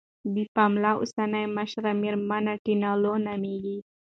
د پملا اوسنۍ مشره میرمن ټینا لو نوميږي.